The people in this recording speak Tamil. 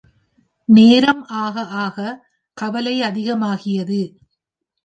நேரம் ஆக ஆகக் கவலை அதிகமாகியது.